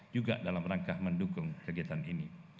juga dalam rangka mendukung kegiatan ini